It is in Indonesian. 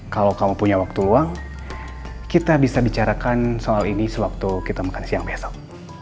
kalau kamu punya waktu luang kita bisa bicarakan soal ini sewaktu kita makan siang besok